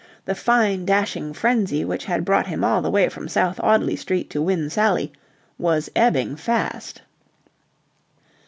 The fine dashing frenzy which had brought him all the way from South Audley Street to win Sally was ebbing fast.